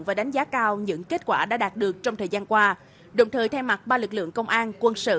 và đánh giá cao những kết quả đã đạt được trong thời gian qua đồng thời thay mặt ba lực lượng công an quân sự